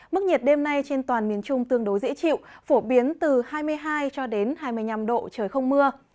mức nhiệt đêm nay trên toàn miền trung tương đối dễ chịu phổ biến từ hai mươi hai cho đến hai mươi năm độ trời không mưa